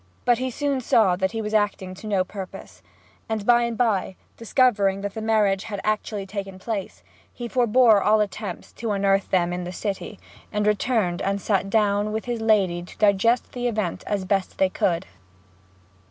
But he soon saw that he was acting to no purpose; and by and by, discovering that the marriage had actually taken place, he forebore all attempts to unearth them in the City, and returned and sat down with his lady to digest the event as best they could.